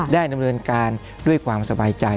ดำเนินการด้วยความสบายใจ